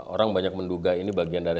orang banyak menduga ini bagian dari